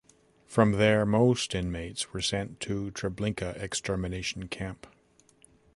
From there, most inmates were sent to Treblinka extermination camp.